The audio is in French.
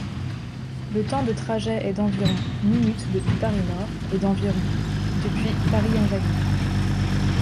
Le temps de trajet est d'environ minutes depuis Paris-Nord, et d'environ depuis Paris-Invalides.